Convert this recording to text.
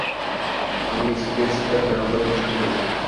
আমি space type দানবদের পছন্দ করি না!